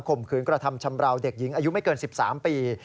มขืนกระทำชำราวเด็กหญิงอายุไม่เกิน๑๓ปี